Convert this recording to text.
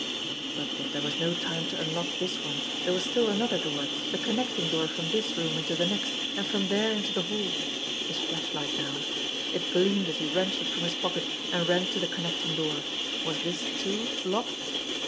But if there was no time to unlock this one, there was still another door the connecting door from this room into the next, and from there into the hall. His flashlight now! It gleamed as he wrenched it from his pocket and ran to the connecting door. Was this, too, locked